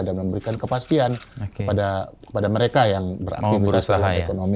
dan memberikan kepastian kepada mereka yang beraktivitas dalam ekonomi